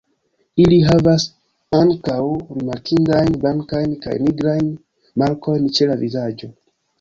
Ili havas ankaŭ rimarkindajn blankajn kaj nigrajn markojn ĉe la vizaĝo.